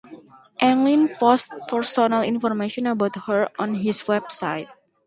Anglin posted personal information about her on his website.